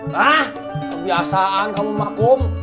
hah kebiasaan kamu mak kum